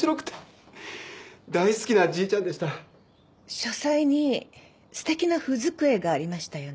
書斎にすてきな文机がありましたよね？